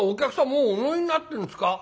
もうお乗りになってるんですか？」。